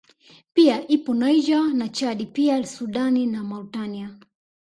Pia ipo Niger na Chadi pia Sudani na Mauritania